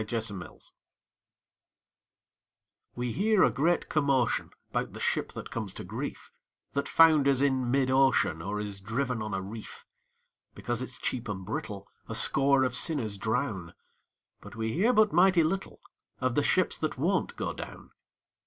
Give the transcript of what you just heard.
0 Autoplay We hear a great commotion 'Bout the ship that comes to grief, That founders in mid ocean, Or is driven on a reef; Because it's cheap and brittle A score of sinners drown. But we hear but mighty little Of the ships that won't go down.